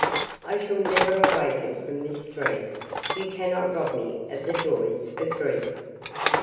I shall never awaken from this dream; you cannot rob me of the joys of dreaming."